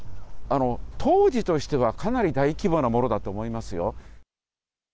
当時としては、かなり大規模なものだと思いますよ。